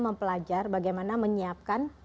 mempelajar bagaimana menyiapkan